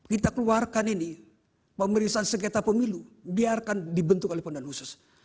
kita keluarkan ini pemeriksaan sengketa pemilu biarkan dibentuk oleh pemerintah khusus